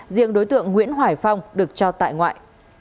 riêng đối tượng nguyễn hoài phong được cho tại ngoại